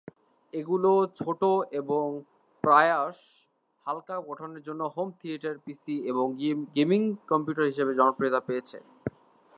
এগুলো ছোট এবং প্রায়শ হালকা গঠনের জন্য হোম থিয়েটার পিসি এবং গেমিং কম্পিউটার হিসেবে জনপ্রিয়তা পেয়েছে।